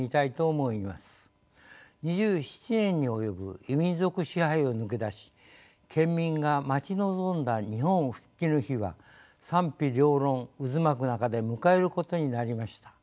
２７年に及ぶ異民族支配を抜け出し県民が待ち望んだ日本復帰の日は賛否両論渦巻く中で迎えることになりました。